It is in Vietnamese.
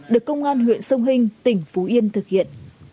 được công an huyện sông hình tỉnh phú yên thực hiện